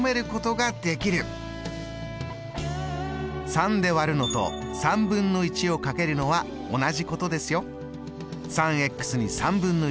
３で割るのとをかけるのは同じことですよ。